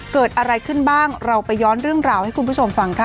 เกิดอะไรขึ้นบ้างเราไปย้อนเรื่องราวให้คุณผู้ชมฟังค่ะ